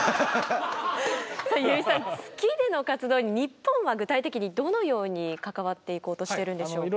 さあ油井さん月での活動に日本は具体的にどのように関わっていこうとしているんでしょうか。